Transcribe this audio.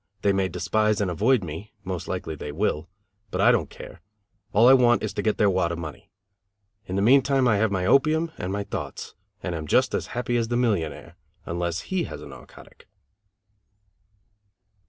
They may despise and avoid me, most likely they will. But I don't care. All I want is to get their wad of money. In the meantime I have my opium and my thoughts and am just as happy as the millionaire, unless he has a narcotic."